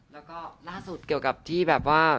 แล้วก็ล่าสุดเกี่ยวกับที่แบบว่า